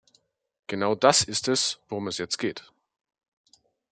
Genau das ist es, worum es jetzt geht.